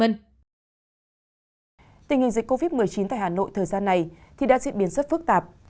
tình hình dịch covid một mươi chín tại hà nội thời gian này thì đã diễn biến rất phức tạp